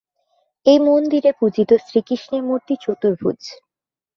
এই মন্দিরে পূজিত শ্রীকৃষ্ণের মূর্তি চতুর্ভূজ।